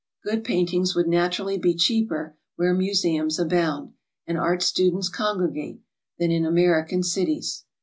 Gooid paintings would naturally be cheaper where museums abound and art students congregate, than in American cities.